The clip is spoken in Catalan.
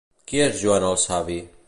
Qui és Joan el Savi?